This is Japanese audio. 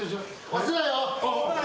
押すなよ。